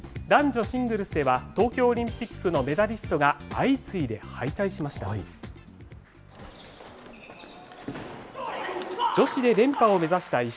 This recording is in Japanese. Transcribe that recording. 男女シングルスでは、東京オリンピックのメダリストが相次いで敗退しました。